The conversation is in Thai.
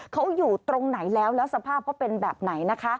เขาอยู่ตรงไหนแล้วแล้วสภาพเขาเป็นแบบไหนนะคะ